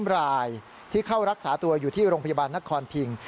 ๓รายที่เข้ารักษาตัวอยู่ที่โรงพยาบาลนครพิง